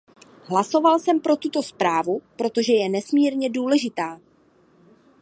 Hlasoval jsem pro tuto zprávu, protože je nesmírně důležitá.